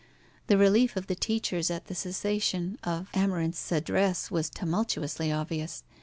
The relief of the teachers at the cessation of Amarinth's address was tumultuously obvious.